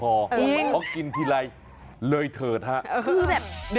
ลองมาลองกินทีไรเลยเถิดครับ